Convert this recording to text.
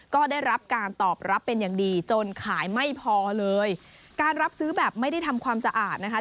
ก็ได้รับการตอบรับเป็นอย่างดีจนขายไม่พอเลยการรับซื้อแบบไม่ได้ทำความสะอาดนะคะ